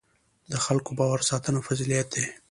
د خلکو باور ساتنه فضیلت دی.